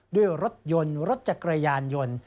ด้วยรถยนต์รถจักรยานยนต์